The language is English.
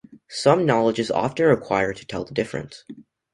Some knowledge is often required to tell the difference.